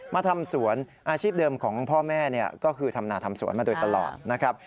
มาทำสวนอาชีพเดิมของพ่อแม่ก็คือทำนาทำสวนมาโดยตลอดนะครับ